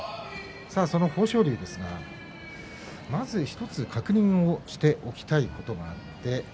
その豊昇龍ですが１つ確認しておきたいことがあります。